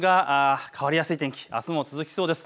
変わりやすい天気あすも続きそうです。